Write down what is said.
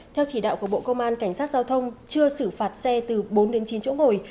theo chỉ đạo của bộ công an cảnh sát giao thông chưa xử phạt xe từ bốn đến chín chỗ ngồi